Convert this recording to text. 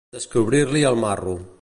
Descobrir-li el marro.